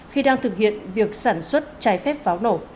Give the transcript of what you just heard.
khi đang thực hiện việc sản xuất trái phép pháo nổ